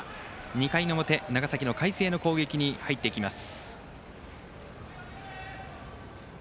２回表、長崎の海星の攻撃に入っていきます。